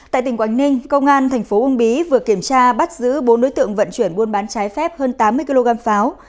tại tỉnh quảng ninh công an thành phố uông bí vừa kiểm tra bắt giữ bốn đối tượng vận chuyển buôn bán trái phép hơn tám mươi kg pháo